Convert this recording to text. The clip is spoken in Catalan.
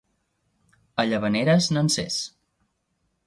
A Llavaneres, nansers.